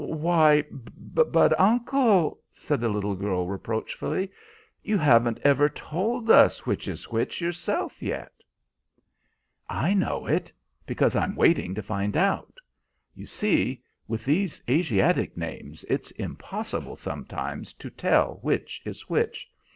"Why, but, uncle," said the little girl, reproachfully, "you haven't ever told us which is which yourself yet!" "I know it. Because I'm waiting to find out. You see, with these Asiatic names it's impossible sometimes to tell which is which.